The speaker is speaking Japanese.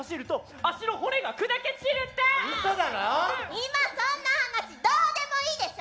今そんな話どうでもいいでしょ！